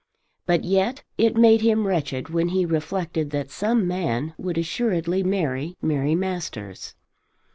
But yet it made him wretched when he reflected that some man would assuredly marry Mary Masters.